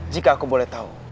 jika aku boleh tahu